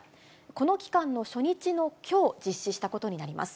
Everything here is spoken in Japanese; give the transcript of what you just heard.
この期間の初日のきょう、実施したことになります。